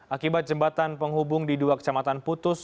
akibat jembatan penghubung di dua kecamatan putus